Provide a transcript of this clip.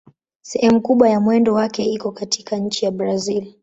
Sehemu kubwa ya mwendo wake iko katika nchi ya Brazil.